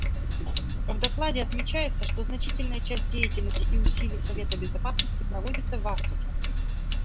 В докладе отмечается, что значительная часть деятельности и усилий Совета Безопасности проводится в Африке.